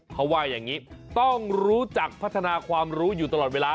เขาว่าอย่างนี้ต้องรู้จักพัฒนาความรู้อยู่ตลอดเวลา